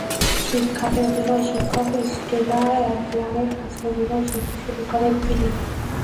বিখ্যাত অভিনয় শিক্ষক স্টেলা অ্যাডলারের কাছে অভিনয় শিখতে শুরু করেন তিনি।